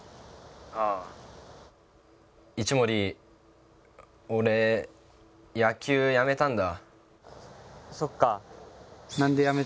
ああ、一森、俺、野球やめたんだ。